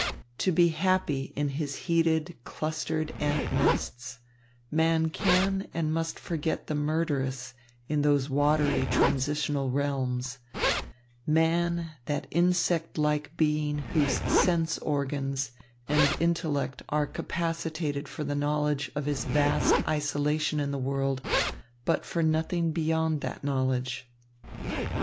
To be happy in his heated, clustered ant nests, man can and must forget the murderous in those watery transitional realms man, that insect like being whose sense organs and intellect are capacitated for the knowledge of his vast isolation in the world, but for nothing beyond that knowledge.